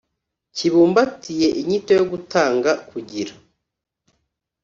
kibumbatiye inyito yo gutunga, kugira,